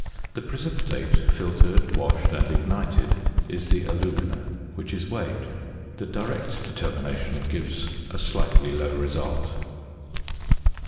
The precipitate, filtered, washed, and ignited, is the alumina, which is weighed. The direct determination gives a slightly low result.